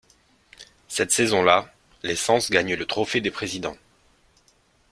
Cette saison-là, les Sens gagnent le Trophée des présidents.